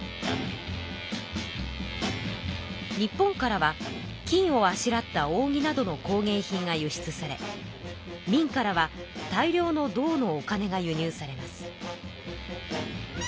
日本からは金をあしらったおうぎなどの工芸品が輸出され明からは大量の銅のお金が輸入されます。